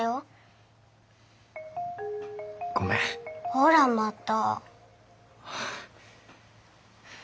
ほらまた。